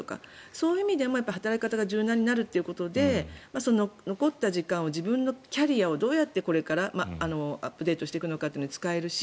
そういう意味でも働き方が柔軟になることで残った時間を自分のキャリアをどうやってこれからアップデートしていくのかというのに使えるし